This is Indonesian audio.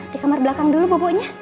di kamar belakang dulu bobo nya